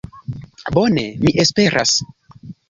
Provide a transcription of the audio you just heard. Bone, mi esperas.